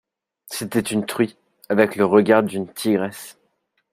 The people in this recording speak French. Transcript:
C'était une truie avec le regard d'une tigresse.